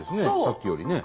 さっきよりね。